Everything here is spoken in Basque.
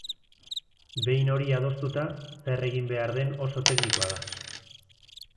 Behin hori adostuta, zer egin behar den oso teknikoa da.